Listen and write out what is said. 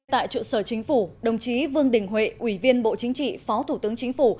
tại trụ sở chính phủ đồng chí vương đình huệ ủy viên bộ chính trị phó thủ tướng chính phủ